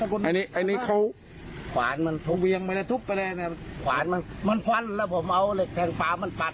ขวานมันถูกเวียงไปแล้วถูกไปแล้วขวานมันฟันแล้วผมเอาเหล็กแทงปลามันปัด